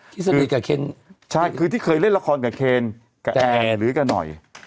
ที่สนิทกับเคนใช่คือที่เคยเล่นละครกับเคนกับแอร์หรือกันหน่อย